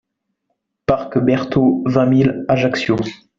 Parc Berthault, vingt mille Ajaccio